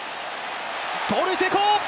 盗塁成功！